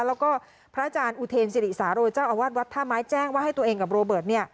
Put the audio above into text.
แล้วก็พระอาจารย์อุเทนสิริสาโรเจ้าอาวาสวัดท่าไม้แจ้งว่าให้ตัวเองกับโรเบิร์ต